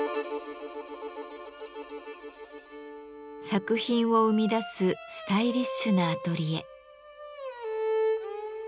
作品を生み出すスタイリッシュなアトリエ。